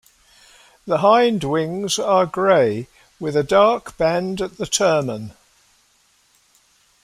The hindwings are grey with a dark band at the termen.